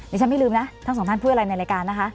ฉันไม่ลืมนะทั้งสองท่านพูดอะไรในรายการนะคะ